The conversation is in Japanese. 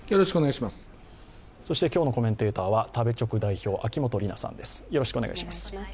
今日のコメンテーターは食べチョク代表、秋元里奈さんです